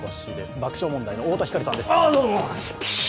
爆笑問題の太田光さんです。